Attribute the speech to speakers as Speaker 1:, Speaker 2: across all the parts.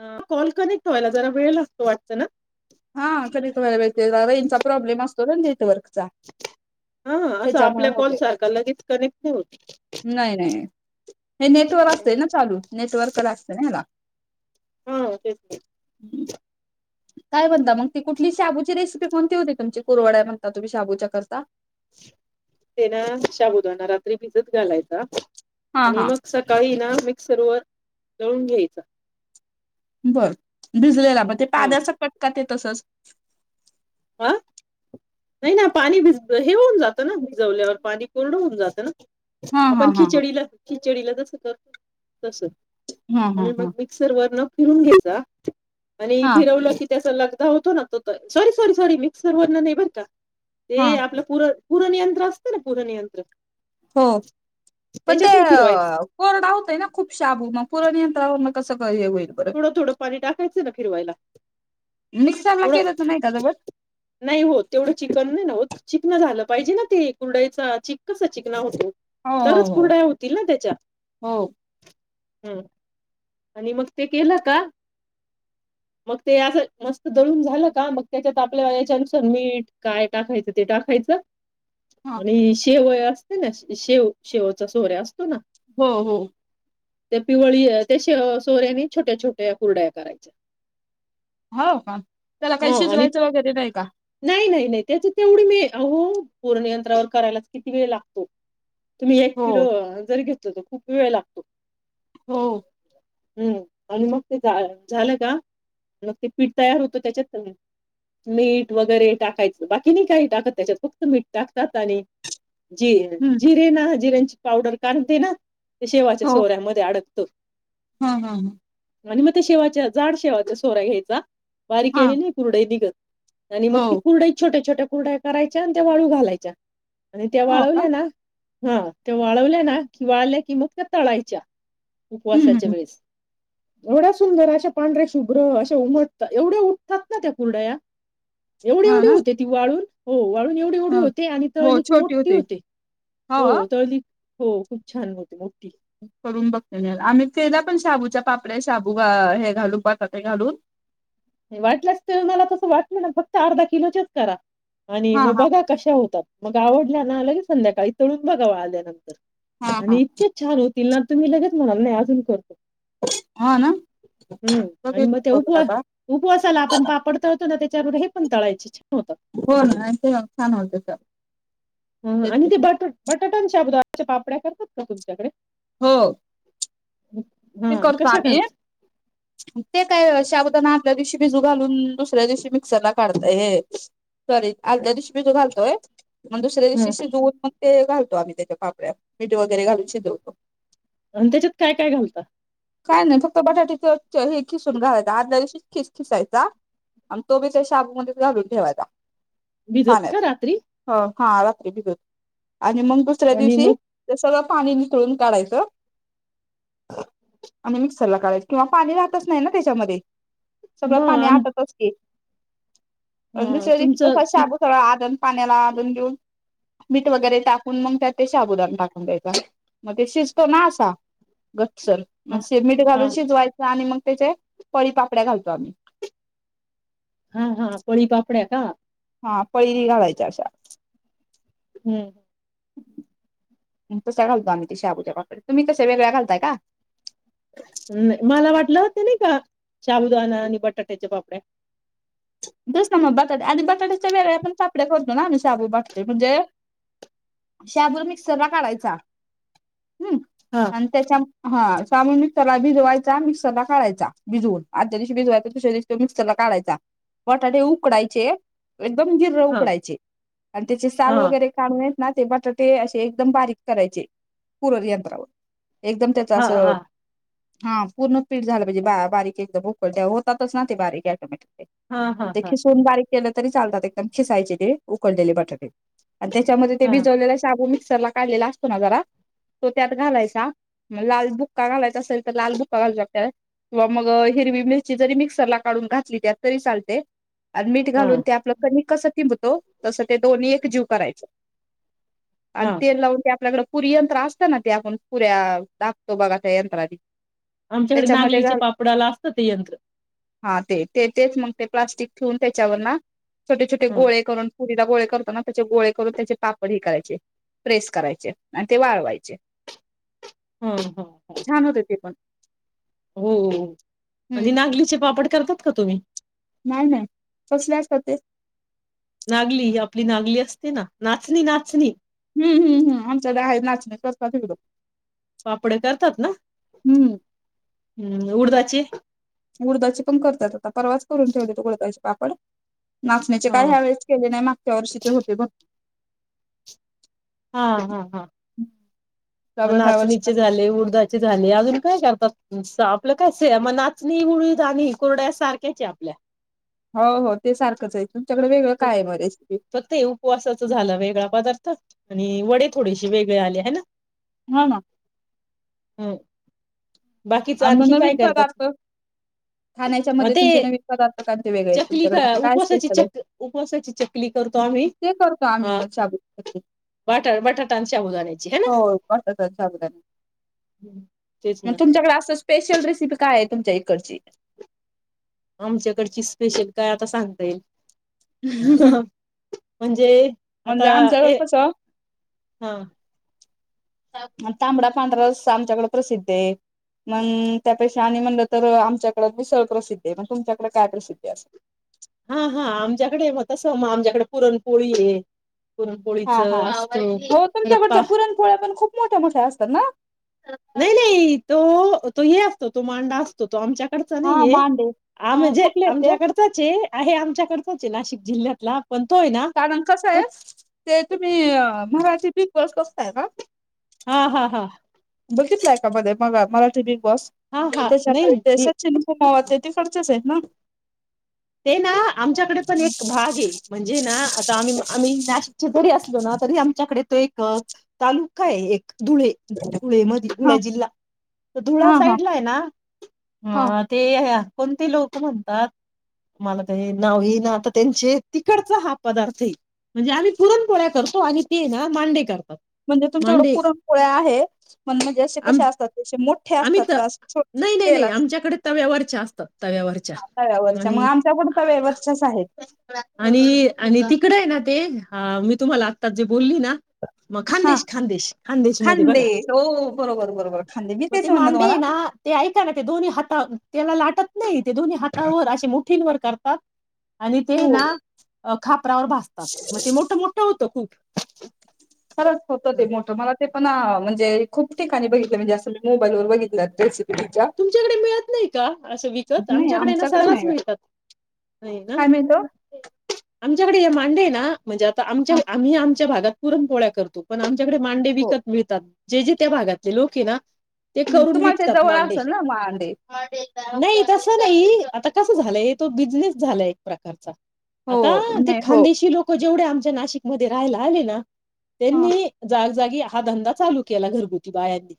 Speaker 1: अ call connect व्हायला जरा वेळ लागतो वाटत ना
Speaker 2: हा चल [unintelligible] प्रॉब्लेम असतो ना नेटवर्क जा
Speaker 1: हां, असं
Speaker 2: तेच्यामुळे
Speaker 1: आपल्या कॉल
Speaker 2: होतंय
Speaker 1: सारखा लगेच कनेक्ट नाही होत.
Speaker 2: नाही नाही हे नेट वर असतंय ना चालू नेटवर्क लागत न ह्याला
Speaker 1: हां तेच तेच
Speaker 2: [unintelligible] मग ती कुठली शाबूची रेसिपी [unintelligible]
Speaker 1: ते ना शाबुदाना रात्री भिजत घालायचा
Speaker 2: हा
Speaker 1: आणि
Speaker 2: हा
Speaker 1: मग सकाळी ना मिक्सरवर तळून घे
Speaker 2: बर भिजलेला मग ते
Speaker 1: हां.
Speaker 2: पाण्यासकट का तसच
Speaker 1: [unintelligible] नाही पाणी हे होऊन जात भिजवल्यावर पाणी कोरड होऊन जात ना
Speaker 2: हा हा
Speaker 1: आपण
Speaker 2: हा
Speaker 1: खिचडी ला खिचडीला जस कर तसं
Speaker 2: हा हा
Speaker 1: आणि
Speaker 2: हा
Speaker 1: मग
Speaker 2: हा
Speaker 1: मिक्सर वरनं फिरवून घ्यायचा आणि
Speaker 2: हा
Speaker 1: फिरवल की ते अस लगदा होतो न सॉरी सॉरी सॉरी मिक्सरवरण नाही बर का ते
Speaker 2: हा
Speaker 1: आपल पुरण पुरण यंत्र असत ना पुरण यंत्र
Speaker 2: हो पण ते
Speaker 1: फिरवायचं
Speaker 2: कोरडा होतोय ना खूप शाबू मग पुरण यंत्रावर कस
Speaker 1: थोड थोड पाणी टाकायचं ना फिरवायला
Speaker 2: मिक्सरला
Speaker 1: थोड
Speaker 2: केलं तर नाही का जवळ
Speaker 1: नाही ओ तेवढ चिखल नाही होत चिकना झालं पाहिजे ना ते कुरडईच चिक कसा चिकना होतो.
Speaker 2: हो
Speaker 1: तरच
Speaker 2: हो
Speaker 1: कुरडया होतील ना त्याच्या
Speaker 2: हो हो
Speaker 1: [unintelligible] ते केलं का मग ते असं मस्त दळून झाल का मग तेच्यात आपल हेच्यानुसार मीठ काय टाकायचं ते टाकायचं
Speaker 2: हा
Speaker 1: आणि शेवया असते ना शेव शेवचा सोऱ्या असतोय ना
Speaker 2: हो हो
Speaker 1: ते पिवळी शे सोड्याने छोट्या छोट्या कुरडया करायच्या
Speaker 2: हो का त्याला काय
Speaker 1: ह आणि
Speaker 2: शिजवायचं वगैरे नाही का?
Speaker 1: [unintelligible] तुम्ही एक
Speaker 2: हो,
Speaker 1: किलो जर घे खूप वेळ लागतो
Speaker 2: हो.
Speaker 1: हूं आणि मग ते काय झाल का मग ते पिठ तयार होत त्याच्यात मीठ वगैरे टाकायच बाकी नाई काय टाकत त्याच्यात फक्त मीठ टाकतात आणि जिर
Speaker 2: हं.
Speaker 1: जिरे ना जिरे ती पावडर काढून ते ना ते शेवयाच्या सोऱ्यामध्ये आडक [inaudible]
Speaker 2: हां हां हां
Speaker 1: आणि मात्र शेवयाचा जाड शेवयाचा सोरा घ्यायचा. बारीक
Speaker 2: हां.
Speaker 1: एवढी नाई कुरडई निघत त्यानी मग ती
Speaker 2: हो.
Speaker 1: कुरडयी छोटया छोटया कुरडया करायच्या आणि त्या वाळू घालायच्या आणि त्या
Speaker 2: हो
Speaker 1: वाळू
Speaker 2: का?
Speaker 1: हाय ना हो त्या वाळवल्या ना की वाळलया की मग त्या तळायच्या
Speaker 2: हं,
Speaker 1: उपवासाच्या
Speaker 2: हं.
Speaker 1: वेळेस ऐवढया सुंदर अशा पांढऱ्या शुभ्र अशा उलता एवढ्या उठतात ना त्या कुरडया एवढ
Speaker 2: हां
Speaker 1: एवढ
Speaker 2: ना?
Speaker 1: होते ती वाळुन [inaudible] एवढी एवढी
Speaker 2: हो.
Speaker 1: होते आणि
Speaker 2: हो,
Speaker 1: तळकी
Speaker 2: छोटी
Speaker 1: मोठ्ठी
Speaker 2: होती.
Speaker 1: होते. हो तळली हो खूप छान होते मोठी
Speaker 2: करून बघते मी आज आम्ही केलयापण शाबूच्या पापड्या शाबू अ हे घालू बटाटे घालून
Speaker 1: हे वाटलंच त मला तसं वाटलं ना फक्त अर्धा किलोचेच करा आणि
Speaker 2: हां,
Speaker 1: म
Speaker 2: हां.
Speaker 1: बघा कशा होतात. मग आवडल्या ना लगेच संध्याकाळी तळून बघावं आल्या नंतर
Speaker 2: हां, हां.
Speaker 1: आणि इतके छान होत तिला तुम्ही लगेच म्हणाल नाय अजून करतो
Speaker 2: हाना [unintelligible]
Speaker 1: उपसाला आपण पापड तळतो ना त्याच्यामध्ये हे पण तळायचीच
Speaker 2: हो ना आणि तो छान होतस
Speaker 1: हो आणि ते बटाट बट कुटून शाबु दाण्याच्या पापड्या करतात का तुमच्याकडे
Speaker 2: हो ते
Speaker 1: हां,
Speaker 2: करतो
Speaker 1: कशा
Speaker 2: आम्ही
Speaker 1: करता?
Speaker 2: ते काय साबुदाणा आदल्या दिवशी भिजू घालून दुसऱ्या दिवशी मिक्सरला काढ सॉरी आदल्या दिवशी भिजवून घालतोय मग दुसऱ्या
Speaker 1: हां
Speaker 2: दिवशी शिजवून मग ते घालतो आम्ही त्याच्या पापड्या मीठ वगैरे घालून शिजवतो.
Speaker 1: आणि त्याच्यात काय, काय घालता?
Speaker 2: काय नाही फक्त बटाट्याच हे खिसून घालायचा आदल्या दिवशीच खिस खिसायचा आणि तोबी त्या शाबूमध्येच घालून ठेवायचा.
Speaker 1: भिजत का रात्री
Speaker 2: पाण्यात हा रात्री भिजत आणि मग दुसऱ्या
Speaker 1: आणि
Speaker 2: दिवशी
Speaker 1: मग
Speaker 2: ते सगळं पाणी नितळून काढायचं आणि मिक्सरला काढाच किंवा पाणी राहतच नाही ना त्याच्यामध्ये सगळं
Speaker 1: मग
Speaker 2: पाणी
Speaker 1: आम
Speaker 2: आटतच की अन
Speaker 1: हां,
Speaker 2: दुसऱ्या दिशी
Speaker 1: तुमचं
Speaker 2: तसाच शाबू सगळा आदन पाण्याला आदान देऊन मीठ वगैरे टाकून मग त्या ते शाबुदाना टाकून द्यायचा मग ते शिजतो ना असा गप्प चल
Speaker 1: हां,
Speaker 2: मीठ घालून
Speaker 1: हां,
Speaker 2: शिजवायचं आणि मग त्याच्या पळी पापड्या घालतो आम्ही
Speaker 1: हा हा पळी पापड्या. ह
Speaker 2: हा पळीने घालायच्या अशा
Speaker 1: हम्म
Speaker 2: अ तशा घालतो आम्ही त्या शाबूच्या पापड तुम्ही कशा वेगळ्या घालताय का?
Speaker 1: नाही मला वाटलं होतं नाही का शाबूदाना आणि बटाट्याच्या पापड्या
Speaker 2: [unintelligible] आणि बटाट्याच्या वेगळ्या पण पापड्या करत आम्ही शाबू वाटतोय म्हणजे शाबु मिक्सरला काढायचा हम्म
Speaker 1: हां,
Speaker 2: आणि त्याच्या हा शाबु मिक्सरला भिजवायचा मिक्सरला काढायचा भिजवून आदल्या दिवशी भिजवायचा दुसऱ्या दिवशी तो मिक्सरला काढायचा बटाटे उकडायचे एकदम गिर
Speaker 1: हां,
Speaker 2: उकडायचे आणि त्याची साल
Speaker 1: हां,
Speaker 2: वगैरे काढून ना ते बटाटे अशे एकदम बारीक करायचे पुरण यंत्रावर. एकदम तेच
Speaker 1: हां,
Speaker 2: असं
Speaker 1: हां,
Speaker 2: हा पूर्ण पीठ झालं पाहिजे बा-बारीक एकदम उकळत्या होतातच ना ते बारीक ऑटोमॅटिक. [inaudible]
Speaker 1: हां,
Speaker 2: म
Speaker 1: हां,
Speaker 2: ते
Speaker 1: हां,
Speaker 2: खिसून बारीक केलं तरी चालतात ते एकदम खिसायचे ते उकडलेले बटाटे आणि त्याचा मध्ये ते
Speaker 1: हां,
Speaker 2: भिजवलेला शाबू मिक रशाला काढलेला असतो ना जरा तो त्यात घालायचा. लाल बुक्का घालायचा असेल तर लालबुक्का घालू शकतेस किंवा मग हिरवी मिरची मिक्सरला काढून घातली तरी चालते. आणि मीठ घालून
Speaker 1: हां,
Speaker 2: ते आपलं कणीक कसं तसं ते दोन्ही एकजीव करायचं. आणि
Speaker 1: हां.
Speaker 2: तेल लावून ते आपल्याकडे पुरी यंत्र असतं ना ते आपण पुऱ्या दाबतो बघा त्या यंत्रानी
Speaker 1: आमच्याकडे [unintelligible] च्या पापडाला असतं ते यंत्र
Speaker 2: हा ते तेच मग ते प्लास्टिक ठेऊन त्याच्यावरन. छोटे छोटे
Speaker 1: हं,
Speaker 2: गोळे करून पुरीला गोळे करतो ना त्याचे गोळे करून त्याचे पापड हे करायचे प्रेस करायचे आणि ते वाळवायचे.
Speaker 1: हं, हं, हं.
Speaker 2: छान होते ते पण
Speaker 1: हो हो म्हणजे नागंली चे पापड करतात का तुम्ही
Speaker 2: नाय नाय कसले असतात. ते
Speaker 1: नांगली आपली नांगली असते ना नाचणी नाचणी.
Speaker 2: हम्म.
Speaker 1: पापड्या करतात ना
Speaker 2: हम्म
Speaker 1: हम्म उडदाचे
Speaker 2: उडदाचे पण करतात. आता परवाच करुन ठेवलेत उडदाचे पापड नाचणी चे
Speaker 1: हा
Speaker 2: काय ह्या वेळेस केले नाही माग च्या वर्षीचे होते भरपूर
Speaker 1: हा हा हा
Speaker 2: त्या
Speaker 1: हो
Speaker 2: ह्या
Speaker 1: नाचणी
Speaker 2: वर्षी
Speaker 1: चे झाले उ उडदाचे झाले अजून काय करतात आपलं काय नाचणी उडीद आणि कुरुडया सारख्याच आहेत. आपल्या
Speaker 2: हो हो ते सारखंच आहे. तुमच्याकडे वेगळं काय आहे मग रेसिपी
Speaker 1: ते उपवासाच झालं वेगळा पदार्थ आणि वडे थोडेसे वेगळे आले.
Speaker 2: हा ना
Speaker 1: ना बाकीच
Speaker 2: आणि मग
Speaker 1: आणखी काय
Speaker 2: नविन
Speaker 1: करतात
Speaker 2: पदार्थ खाण्याच्या
Speaker 1: अ,
Speaker 2: मध्ये
Speaker 1: ते
Speaker 2: तुमचे नविन पदार्थ ते वेगळे आहेत
Speaker 1: चकली
Speaker 2: तुमच्याकड
Speaker 1: का
Speaker 2: पण काय असतय.
Speaker 1: उपवासाची
Speaker 2: एखादं
Speaker 1: चक उपवासाची चकली करतो आम्ही
Speaker 2: आम्ही
Speaker 1: आ
Speaker 2: पण
Speaker 1: [unintelligible] [unintelligible]
Speaker 2: होय बटाटा
Speaker 1: हम्म. तेच ना
Speaker 2: साबुदाणे तुमच्याकडे असं स्पेशल रेसिपी काय आहे. तुमच्या इकडची
Speaker 1: आमच्याकडची स्पेशल काय सांगते.
Speaker 2: हुं हुं
Speaker 1: म्हणजे आता
Speaker 2: म्हणजे आमच्या वेळी
Speaker 1: ए
Speaker 2: कसं
Speaker 1: हा
Speaker 2: तांबडा आमरस आमच्याकड प्रसिद्ध ये मंग त्यापेक्षा आणि म्हणलं तर आमच्याकडे मिसळ प्रसिद्ध आहे म्हणजे तसं तुमच्याकडे काय अस
Speaker 1: हा ह आमच्याकडे म् तसं म आमच्याकडं पुरणपोळी ये
Speaker 2: हा हा हो
Speaker 1: पा
Speaker 2: तुमच्याकडच्या पुरणपोळ्या पण खूप मोठ्या मोठ्या असता ना?
Speaker 1: नही नही तो हे असतो तो मांडा असतो तो आमच्या आमच्याकडचा
Speaker 2: हा
Speaker 1: नाहीये
Speaker 2: मांडे हा
Speaker 1: म्हणजे
Speaker 2: कुठले आहेत ते
Speaker 1: आमच्याकडचाच आहे आहे आमच्याकडे नाशिक जिल्ह्यातला पण तो आहे ना
Speaker 2: कारण कसंय
Speaker 1: तो
Speaker 2: ते तुम्ही मराठी बिग बॉस [unintelligible]
Speaker 1: हा हाहा
Speaker 2: बघितला आहे का मराठी बिग [unintelligible] बॉस
Speaker 1: हा हा
Speaker 2: त्याच्यामध्ये ते
Speaker 1: नाही
Speaker 2: सचिन हो त्या तिकडच्याच आहेत ना
Speaker 1: तेना आमच्याकड पण एक भागये आम्ही नाशिकचे जरी असलो असलं ना तरी आमच्याकडे एक तालुका धुळे धुळे मधी
Speaker 2: हा
Speaker 1: जिल्हा धुळे
Speaker 2: हा हा
Speaker 1: साईटला आहे
Speaker 2: हा
Speaker 1: ना ते आ कोणते लोक म्हणतात मला काय नाव येईना आता त्यांचे तिकडचा हा पदार्थ ये म्हणजे आम्ही पुरणपोळ्या करतो आणि ती मांडे कर
Speaker 2: म्हणजे तुमच्याकडं पुरणपोळ्या आहे म्हण म्हणजे असे
Speaker 1: आम
Speaker 2: कसे असतात मो
Speaker 1: आम्ही नाही नाही नाही आमच्याकडे तव्यावरच्या असतात तव्यावरच्या
Speaker 2: तव्यावरच्या मग
Speaker 1: आणि
Speaker 2: आमच्याकडे तव्यावरच्याच आहेत
Speaker 1: आणि आणि ती इकडे आहे ना ते तुम्हाला मी आत्ताच जे बोलली ना मग
Speaker 2: हा
Speaker 1: खानदेश खानदेश खानदेश मध्ये
Speaker 2: खांदे
Speaker 1: बघा
Speaker 2: हो बरोबर बरोबर खांदे मी
Speaker 1: मग ते
Speaker 2: तेच म्हणलं तुम्हाला
Speaker 1: मांडे ना ते ऐका ना ते दोन्ही हाता त्याला लाटत नाही ते दोन्ही हातावर अे मुठींवर करतात आणि ते
Speaker 2: हो
Speaker 1: ना खापरावर भाजतात मग ते मोठं मोठं होतं खूप
Speaker 2: खरंच होतं ते मोठं मला ते पण म्हणजे खूप ठिकाणी बघितलं म्हणजे असं मी मोबाईलवर बघितलं त्या
Speaker 1: तुमच्याकडे मिळत नाही का असं विकत
Speaker 2: नाही
Speaker 1: आमच्याकडे ना
Speaker 2: नाही
Speaker 1: सरास
Speaker 2: बा
Speaker 1: मिळतात नाही ना
Speaker 2: काय मिळतो
Speaker 1: आमच्याकडे हे मांडे आहे ना म्हणजे आता आमच्या
Speaker 2: हा
Speaker 1: आम्ही आमच्या भागात पुरणपोळ्या करतो. पण आमच्याकडे मांडे
Speaker 2: हो
Speaker 1: विकत मिळतात जे जे त्या भागातले लोक हाय ना ते
Speaker 2: हम
Speaker 1: करून
Speaker 2: तुम्हाला ते
Speaker 1: विकतात
Speaker 2: जवळ
Speaker 1: मांडे
Speaker 2: असेल [inaudible] मांडे
Speaker 1: नाही तसं नाही आता कस झालंय तो बिझनेस झालाय एक प्रकारचा.
Speaker 2: हो
Speaker 1: आता ते
Speaker 2: नाही हो
Speaker 1: खानदेशी लोक जेवढे आमच्या नाशिकमध्ये राहायला आले ना
Speaker 2: ह
Speaker 1: त्यांनी जाग जागी हा धंदा चालू केला घरगुती बायांनी.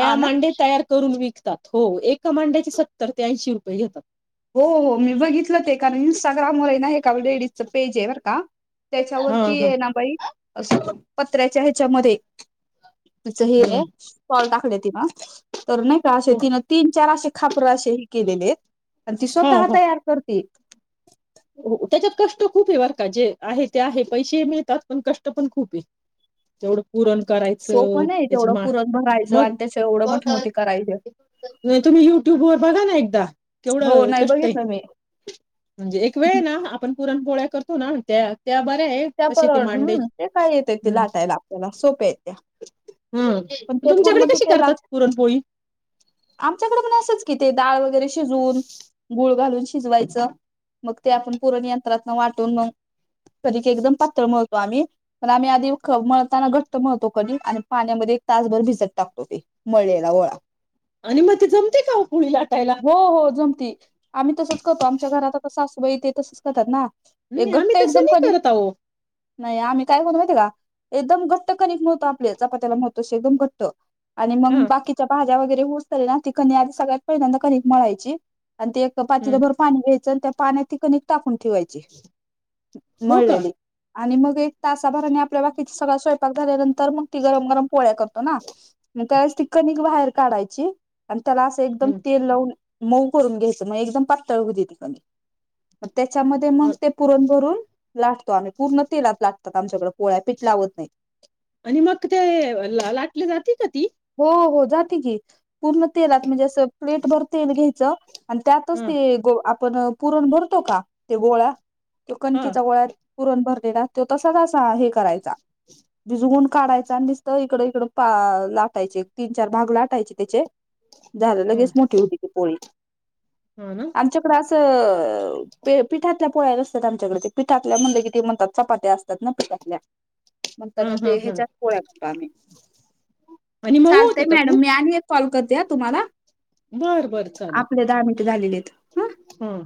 Speaker 2: हा ना
Speaker 1: मांडे तयार करून विक विकतात हो एका मांड्याचे सत्तर ते ऐंशी रुपये घेतात.
Speaker 2: हो हो [unintelligible] लेडीज पेज आहे बरं का
Speaker 1: हा
Speaker 2: त्याच्यावरती
Speaker 1: हा
Speaker 2: ये ना बाई असं पत्र्याच्या ह्याच्यामध्ये तिचं हे हेय
Speaker 1: हम्म.
Speaker 2: स्टॉल टाकलेत. [unintelligible] तर नाही का असे तिनं तीन चार असे खापर असे हे केलेलेत. अन ती
Speaker 1: हा
Speaker 2: स्वतः
Speaker 1: हा
Speaker 2: तयार करतेत.
Speaker 1: हो त्याच्यात कष्ट खूप आहे बर का जे आहे ते आहे पैसेही मिळतात पण कष्ट पण खूपये. तेवढ पुरण करायचं
Speaker 2: सोपं नाही
Speaker 1: त्याचे
Speaker 2: तेवढं
Speaker 1: मां
Speaker 2: पुरण भरायचं
Speaker 1: मग
Speaker 2: आणि त्याच्या एवढं मोठे मोठे करायचे
Speaker 1: नाही तुम्ही युट्युब वर बघा ना एकदा. केवढ
Speaker 2: हो नाही
Speaker 1: कष्ट आहे
Speaker 2: बघितलं मी
Speaker 1: म्हणजे एक एक वेळ आहे ना हा आपण पुरणपोळ्या करतो ना त्यात
Speaker 2: [unintelligible] ते काय येताय ते
Speaker 1: हम्म.
Speaker 2: लाटायला आपल्याला सोपे आहे त्या.
Speaker 1: हम्म.
Speaker 2: पण ते पूर्ण
Speaker 1: तुमच्याकडे कशी
Speaker 2: तिथं लाग
Speaker 1: करतात पुरणपोळी
Speaker 2: आमच्याकडे पण असंच की ते दाळ वगैरे शिजवून गुळ घालून शिजवायचं मग ते आपण पुराण यंत्रातनं वाटून मगं एकदम पातळ मळू आम्ही पण आम्ही आधी मळताना घट्ट मळतो कणिक आणि पाण्यामध्ये एक तासभर भिजत टाकतो ते मळलेला गोळा.
Speaker 1: आणि मग ते जमतं का हो पोळी लाटायला?
Speaker 2: ति आम्ही तसंच करतो आमच्या घरात आता सासू होय ते तसंच करतात ना? एक
Speaker 1: नाही आम्ही
Speaker 2: घट्ट
Speaker 1: तसं
Speaker 2: एकदम
Speaker 1: नाही
Speaker 2: कणी
Speaker 1: करत आहो.
Speaker 2: नाही आम्ही काय करतो माहिती आहे का. एकदम घट्ट कणिक मळतो आपली चपात्याला मळतोशी. एकदम घट्ट आणि
Speaker 1: हा
Speaker 2: मंग बाकीच्या भाज्या वगै ते ऊसतल ना ती कणी आधी सगळ्यात पहिल्यांदा कणीक मळायची. अन ते एक
Speaker 1: हम्म.
Speaker 2: पातीलभर पाणी घ्याय चल त्या पाण्यात ती कणीक टाकुन ठेवायची
Speaker 1: हो का
Speaker 2: मळलेली आणि मग एक तासाभराने आपल्याला ईच सगळा स्वयंपाक झाल्यानंतर तर मग ती गरम गरम पोळ्या करतो ना. म काय असती कणीक बाहेर काढायची अन त्याला असं एकदम
Speaker 1: हम्म.
Speaker 2: तेल लावून मऊ करून घ्यायच मग एकदम पातळ होऊ दे ती कणीक. त्याच्यामध्ये मग
Speaker 1: अ-
Speaker 2: ते पुरण भरून लाटतो आम्ही पुर्ण तेलात लाटतात आमच्याकडं पोळ्या पीठ लावत नाही.
Speaker 1: आणि मग ते ला लाटली जाती का ती?
Speaker 2: होवहो जाती की. पुर्ण तेलात म्हणजे असं प्लेटभर तेल घ्यायचं अन त्यातच
Speaker 1: हा
Speaker 2: ते गो आप पण पुरण भरतो का ते गोळा त्यो
Speaker 1: हा
Speaker 2: कणकेचा गोळ्यात पुरण भर ते राहत्यो तसाच असा हे कराय चा भीजवून काढायचा अन् निसत ईकड-ईकडुन पा ला [unintelligible] एक तिन चार भाग लाटायचे त्याचे. झालं
Speaker 1: हम्म.
Speaker 2: लगेच मोठी होती ती पोळी.
Speaker 1: हा ना
Speaker 2: आमच्याकडं असं- ते पीठातल्या पोळ्या नसत्यात आमच्याकडं ते पीठातल्या म्हणलं की ते म्हणतात चपात्या असतात ना पिठातल्या.
Speaker 1: हा
Speaker 2: म्हणताना
Speaker 1: हा
Speaker 2: ते
Speaker 1: हा
Speaker 2: ह्याच्यात पोळ्या करतो आम्ही.
Speaker 1: आणि मऊ
Speaker 2: चालतंय
Speaker 1: होते का
Speaker 2: मॅडम
Speaker 1: खुप?
Speaker 2: मी आणि एक कॉल करते हां तुम्हाला.
Speaker 1: बर बर चालेल
Speaker 2: आपले दहा मिनिटं झालेले आहेत. ओके.
Speaker 1: हं